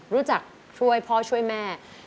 รู้จักช่วยพ่อช่วยแม่